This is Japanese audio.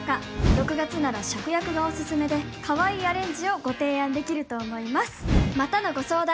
６月ならシャクヤクがおすすめで可愛いアレンジをご提案できると思いますまたのご相談